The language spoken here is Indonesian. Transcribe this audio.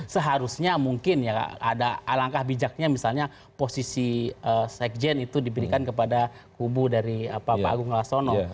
seharusnya mungkin ya ada alangkah bijaknya misalnya posisi sekjen itu diberikan kepada kubu dari pak agung laksono